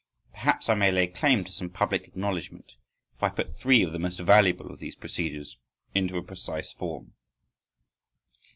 Perhaps I may lay claim to some public acknowledgment, if I put three of the most valuable of these procedures into a precise form.